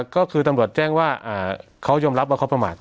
ก็คือตำรวจแจ้งว่าเขายอมรับว่าเขาประมาท